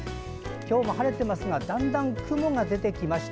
今日も晴れていますがだんだんと雲が出てきました。